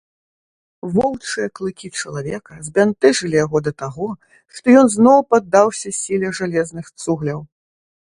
Воўчыя клыкі чалавека збянтэжылі яго да таго, што ён зноў паддаўся сіле жалезных цугляў.